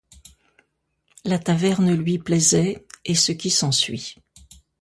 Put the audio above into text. La taverne lui plaisait, et ce qui s’ensuit.